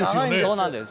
そうなんです。